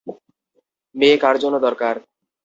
মেয়ে কার জন্য দরকার?